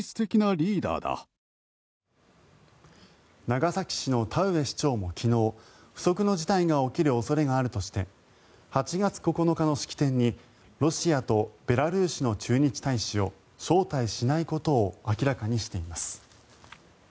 長崎市の田上市長も昨日不測の事態が起きる恐れがあるとして８月９日の式典にロシアとベラルーシの駐日大使を招待しないことを明らかにしています。